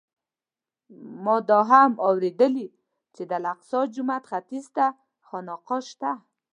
ما دا هم اورېدلي چې د الاقصی جومات ختیځ ته خانقاه شته.